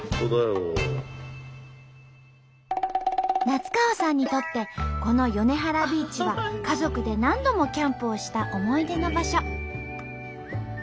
夏川さんにとってこの米原ビーチは家族で何度もキャンプをした思い出の場所。